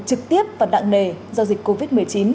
trực tiếp và nặng nề do dịch covid một mươi chín